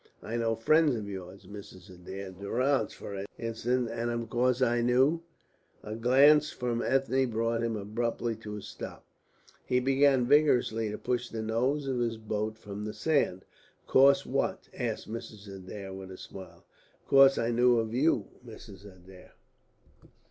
I know friends of yours, Mrs. Adair Durrance, for instance; and of course I knew " A glance from Ethne brought him abruptly to a stop. He began vigorously to push the nose of his boat from the sand. "Of course, what?" asked Mrs. Adair, with a smile. "Of course I knew of you, Mrs. Adair."